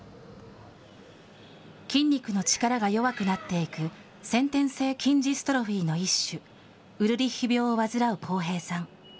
筋肉の力が弱くなっていく、先天性筋ジストロフィーの一種、ウルリッヒ病を患う耕平さん。